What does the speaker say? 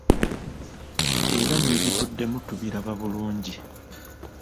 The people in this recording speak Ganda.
Era n’ebivuddemu tubiraba bulungi.